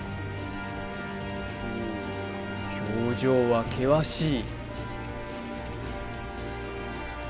表情は険しい